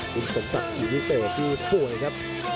คุณสมศักดิ์ที่พิเศษที่ป่วยครับ